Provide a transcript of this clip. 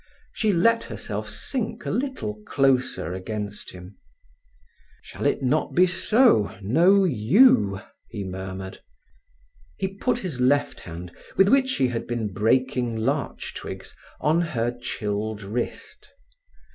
She let herself sink a little closer against him. "Shall it not be so—no yew?" he murmured. He put his left hand, with which he had been breaking larch twigs, on her chilled wrist.